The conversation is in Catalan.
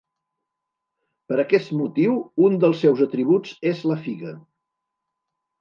Per aquest motiu, un dels seus atributs és la figa.